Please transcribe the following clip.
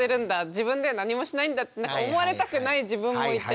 自分では何もしないんだってなんか思われたくない自分もいて。